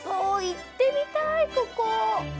行ってみたいここ。